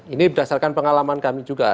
ini berdasarkan pengalaman kami juga